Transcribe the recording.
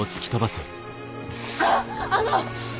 ああの！